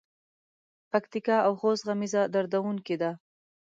پکتیکا او خوست غمیزه دردوونکې ده.